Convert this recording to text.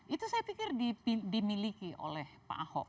itu saya pikir dimiliki oleh pak ahok